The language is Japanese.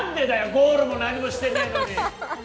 ゴールも何もしてないのに！